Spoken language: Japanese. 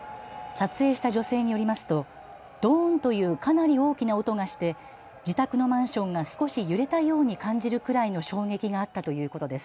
撮影した女性によりますとどーんというかなり大きな音がして自宅のマンションが少し揺れたように感じるくらいの衝撃があったということです。